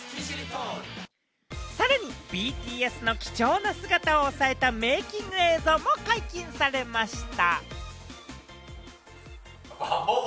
さらにＢＴＳの貴重な姿を抑えたメイキング映像も解禁されました。